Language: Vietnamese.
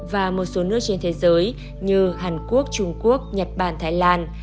và một số nước trên thế giới như hàn quốc trung quốc nhật bản thái lan